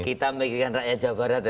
kita memikirkan rakyat jawa barat